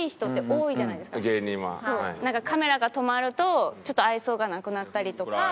カメラが止まるとちょっと愛想がなくなったりとか。